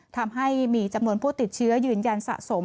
ทำให้มีจำนวนผู้ติดเชื้อยืนยันสะสม